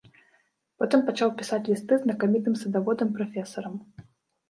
Потым пачаў пісаць лісты знакамітым садаводам, прафесарам.